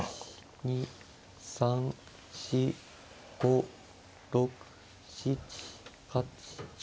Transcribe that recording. ２３４５６７８９。